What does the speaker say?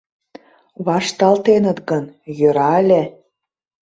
Вашталтеныт гын, йӧра ыле.